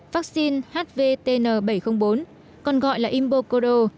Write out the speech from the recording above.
vaccine hvtn bảy trăm linh bốn còn gọi là imbocodo